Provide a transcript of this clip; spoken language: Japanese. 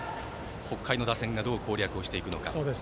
北海の打線がどう攻略していくか。